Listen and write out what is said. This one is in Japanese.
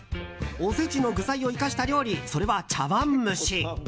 おせちの具材を生かした料理それは茶わん蒸し。